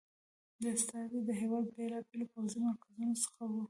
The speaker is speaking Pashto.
دا استازي د هېواد بېلابېلو پوځي مرکزونو څخه وو.